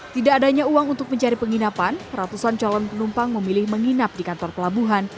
tidak adanya uang untuk mencari penginapan ratusan calon penumpang memilih menginap di kantor pelabuhan